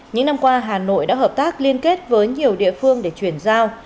những năm qua hà nội đã hợp tác liên kết với nhiều địa phương để chuyển giao